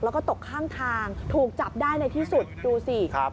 แล้วก็ตกข้างทางถูกจับได้ในที่สุดดูสิครับ